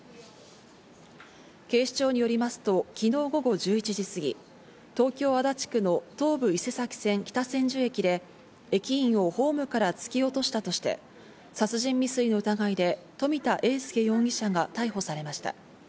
警視庁によりますと昨日午後１１時過ぎ、東京・足立区の東武伊勢崎線北千住駅で駅員をホームから突き落としたとして、殺人未遂の疑いで富田英佑容疑者が逮捕されました。